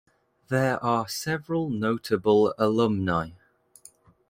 There are several notable alumni.